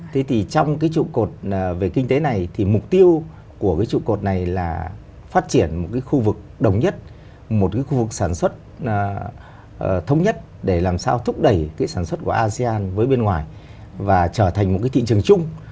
thế thì trong cái trụ cột về kinh tế này thì mục tiêu của cái trụ cột này là phát triển một cái khu vực đồng nhất một cái khu vực sản xuất thống nhất để làm sao thúc đẩy cái sản xuất của asean với bên ngoài và trở thành một cái thị trường chung